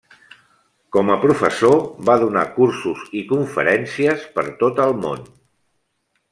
Com a professor, va donar cursos i conferències per tot el món.